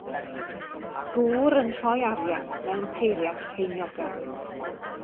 Gŵr yn rhoi arian mewn peiriant ceiniogau.